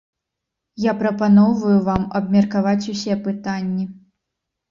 Я прапаноўваю вам абмеркаваць усе пытанні.